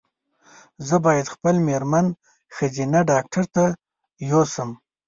زه باید خپل مېرمن ښځېنه ډاکټري ته یو سم